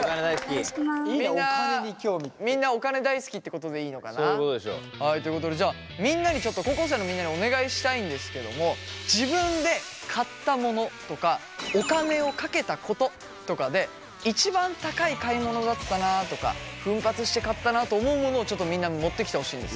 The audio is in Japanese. そういうことでしょう。ということでじゃあちょっと高校生のみんなにお願いしたいんですけども自分で買ったものとかお金をかけたこととかで一番高い買い物だったなとか奮発して買ったなと思うものをみんな持ってきてほしいんですよ。